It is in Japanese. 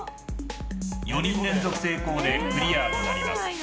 ４人連続成功でクリアとなります。